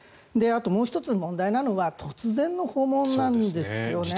もう１つ、問題なのは突然の訪問なんですよね。